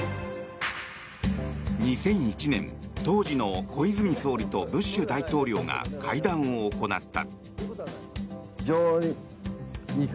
２００１年、当時の小泉総理とブッシュ大統領が会談を行った。